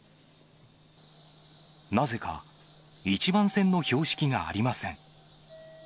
なぜか、１番線の標識がありません。